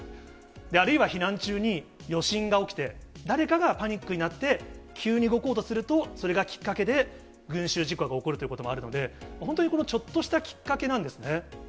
あるいは避難中に余震が起きて、誰かがパニックになって急に動こうとすると、それがきっかけで群集事故が起こるということもあるので、本当にこのちょっとしたきっかけなんですね。